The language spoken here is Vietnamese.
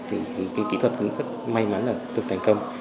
thì cái kỹ thuật cũng rất may mắn là được thành công